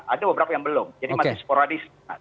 ada beberapa yang belum jadi masih sporadis